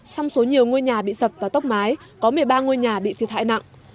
trong số nhiều ngôi nhà bị sập và tốc mái có một mươi ba ngôi nhà bị thiệt hại nặng